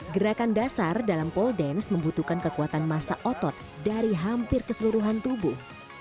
gerakan dasar dalam pole dance membutuhkan kekuatan masa otot dari hampir keseluruhan tubuh